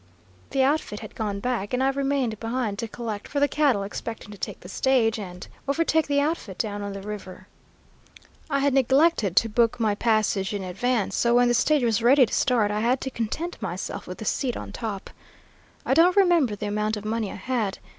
The outfit had gone back, and I remained behind to collect for the cattle, expecting to take the stage and overtake the outfit down on the river. I had neglected to book my passage in advance, so when the stage was ready to start I had to content myself with a seat on top. I don't remember the amount of money I had.